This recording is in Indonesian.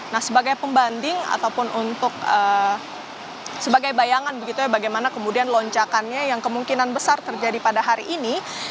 nah sebagai pembanding ataupun untuk sebagai bayangan begitu ya bagaimana kemudian loncakannya yang kemungkinan besar terjadi pada hari ini